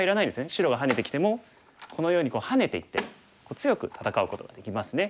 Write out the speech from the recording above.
白がハネてきてもこのようにハネていって強く戦うことができますね。